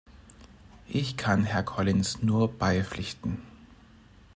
Ich kann Herrn Collins nur beipflichten.